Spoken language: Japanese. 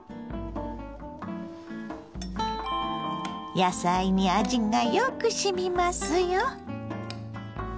野菜に味がよくしみますよ。